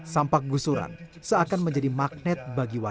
sampah kgusuran seakan menjadi magnet bagi kita